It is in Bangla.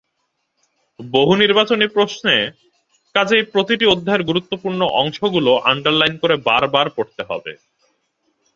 বহুনির্বাচনী প্রশ্নে কাজেই প্রতিটি অধ্যায়ের গুরুত্বপূর্ণ অংশগুলো আন্ডারলাইন করে বারবার পড়তে হবে।